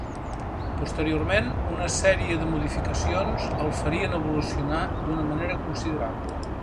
Posteriorment una sèrie de modificacions el farien evolucionar d'una manera considerable.